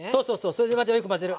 それでまたよく混ぜる。